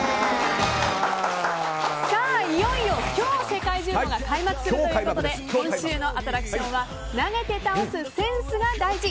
さあ、いよいよ今日世界柔道が開幕するということで今週のアトラクションは投げて倒すセンスが大事！